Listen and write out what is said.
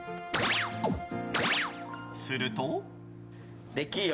すると。